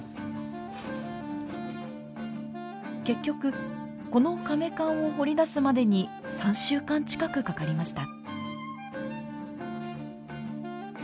結局このかめ棺を掘り出すまでに３週間近くかかりました。